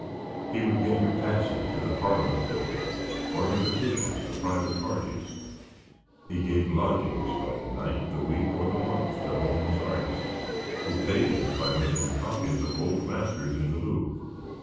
He would get you passes to the parliament buildings, or invitations to private parties; he gave lodgings by the night, the week, or the month to homeless artists, who paid him by making copies of old masters in the Louvre.